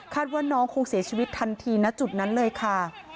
ว่าน้องคงเสียชีวิตทันทีนะจุดนั้นเลยค่ะ